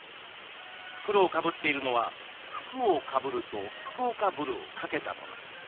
袋をかぶっているのは「福をかぶる」と「福岡ぶる」をかけたもの。